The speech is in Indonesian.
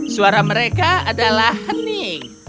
suara mereka adalah hening